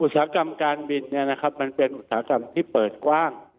อุตสาหกรรมการบินมันเป็นอุตสาหกรรมที่เปิดกว้าง